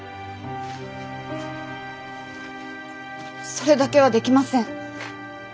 それだけはできません。